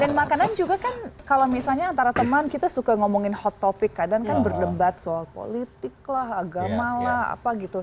dan makanan juga kan kalau misalnya antara teman kita suka ngomongin hot topic kadang kan berdebat soal politik lah agama lah apa gitu